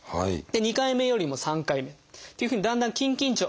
２回目よりも３回目っていうふうにだんだん筋緊張